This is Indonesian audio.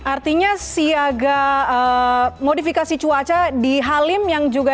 artinya siaga modifikasi cuaca di halim yang juga